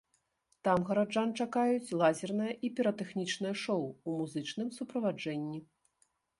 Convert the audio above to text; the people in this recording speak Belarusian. Там гараджан чакаюць лазернае і піратэхнічнае шоу ў музычным суправаджэнні.